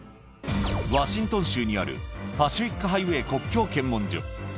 ワシントン州にある、パシフィックハイウェイ国境検問所。